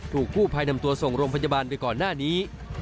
ถูกกู้ภัยนำตัวส่งโรงพยาบาลไปก่อนหน้านี้